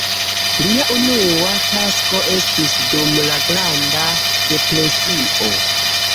Lia unua tasko esti dum la Granda Depresio.